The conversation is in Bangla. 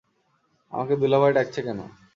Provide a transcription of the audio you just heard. আমাকে দুলাভাই ডাকছে কেনো?